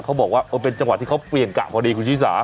เขาบอกว่าเป็นจังหวะที่เขาเปลี่ยนกะพอดีคุณชิสา